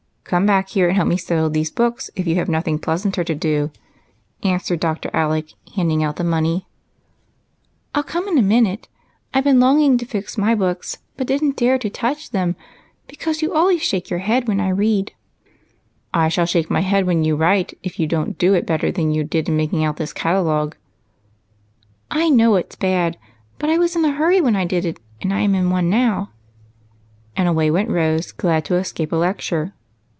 Come back here and help me settle these books if you have nothing pleasanter to do," answered Dr. Alec, handing out the money with that readiness which is so delightful when we ask small loans. " I '11 come in a minute ; I 've been longing to fix my books, but didn 't dare to touch them, because you always shake your head when I read." "I shall shake my head when you write, if you don't do it better than you did in making out this catalogue." " I know it 's bad, but I was in a hurry when I did it, and I am in one now." And away went Rose, glad to escape a lecture.